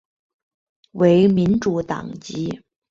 为民主党籍。